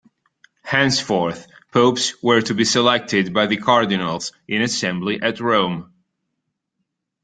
Henceforth, popes were to be selected by the Cardinals in assembly at Rome.